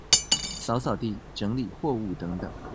掃掃地、整理貨物等等